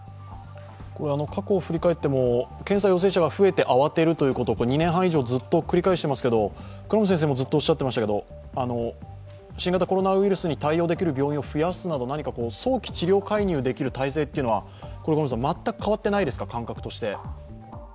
過去を振り返っても検査陽性者が増えて慌てるということを２年半以上、ずっと繰り返していますけれども、新型コロナウイルスに対応できる病院を増やすなど早期治療介入できる体制というのは、全く変わっていないですか、感覚として。